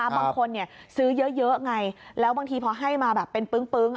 บางคนซื้อเยอะไงแล้วบางทีพอให้มาแบบเป็นปึ้ง